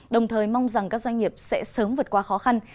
đồng thời mong rằng các doanh nghiệp sẽ sớm vượt qua khó khăn